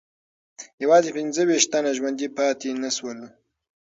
یوازې پنځه ویشت تنه ژوندي پاتې نه سول.